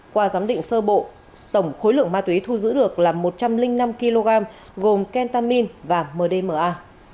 qua giám định sơ bộ tổng khối lượng ma túy thu giữ được là một trăm linh năm kg gồm kentamin và mdma